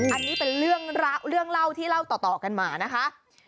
อันนี้เป็นเรื่องเล่าที่เล่าต่อกันมานะคะ